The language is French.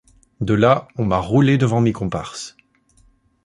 De là, on m’a roulé devant mes comparses.